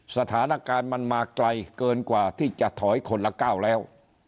สถานการณ์มันมาไกลเกินกว่าที่จะถอยคนละก้าวแล้ว